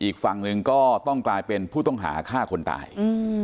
อีกฝั่งหนึ่งก็ต้องกลายเป็นผู้ต้องหาฆ่าคนตาย